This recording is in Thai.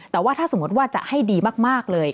แต่ว่าถ้าสมมติว่าจะให้ดีมากเลย